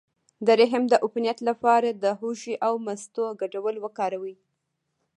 د رحم د عفونت لپاره د هوږې او مستو ګډول وکاروئ